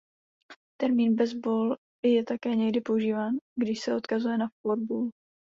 Termín Best Ball je také někdy používán když se odkazuje na Four Ball.